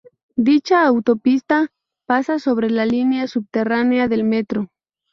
Dicha autopista pasa sobre la línea subterránea del metro.